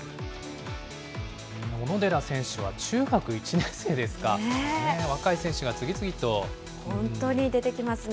小野寺選手は中学１年生ですか、本当に出てきますね。